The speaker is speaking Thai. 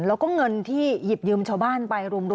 แล้วก็เงินที่หยิบยืมชาวบ้านไปรวม